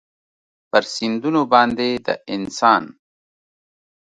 پر سیندونو باندې د انسان